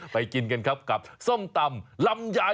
กินกันครับกับส้มตำลำไย